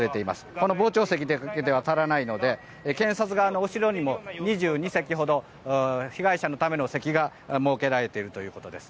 この傍聴席では足りないので検察側の後ろにも２２席ほど被害者のための席が設けられているということです。